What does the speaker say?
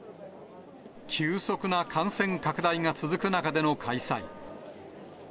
急速な感染拡大が続く中での開催。